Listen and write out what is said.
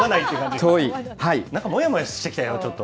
なんかもやもやしてきたよ、ちょっと。